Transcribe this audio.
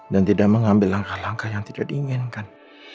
dan tidak mengambil langkah langkah yang tidak diinginkan